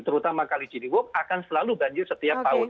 terutama kali ciliwung akan selalu banjir setiap tahun